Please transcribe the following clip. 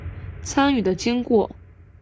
参与的经过